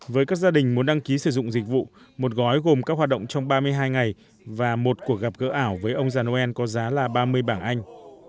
với các gia đình muốn đăng ký sử dụng dịch vụ một gói gồm các hoạt động trong ba mươi hai ngày và một cuộc gặp gỡ ảo với ông già noel có giá là ba mươi bảng anh